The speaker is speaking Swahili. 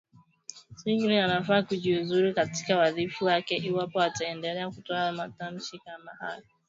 Tigray anafaa kujiuzulu katika wadhifa wake iwapo ataendelea kutoa matamshi kama hayo